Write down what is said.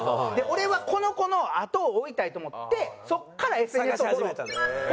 俺はこの子のあとを追いたいと思ってそこからＳＮＳをフォローフォローしたんですよ。